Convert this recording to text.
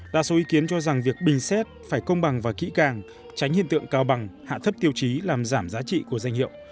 đa số ý kiến cho rằng việc bình xét phải công bằng và kỹ càng tránh hiện tượng cao bằng hạ thấp tiêu chí làm giảm giá trị của danh hiệu